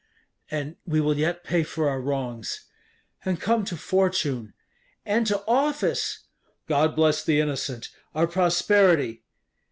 "And we will yet pay for our wrongs." "And come to fortune." "And to office." "God bless the innocent! Our prosperity!"